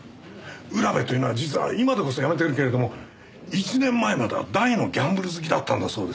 浦部というのは実は今でこそやめてるけれども１年前までは大のギャンブル好きだったんだそうです。